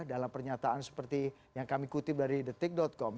dalam pernyataan seperti yang kami kutip dari detik com